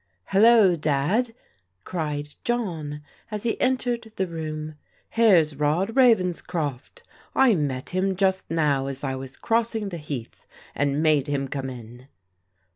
"Hello, Dad," cried John as he entered the room. " Here's Rod Ravenscroft. I met him just now as I was crossing the Heath, and made him come in."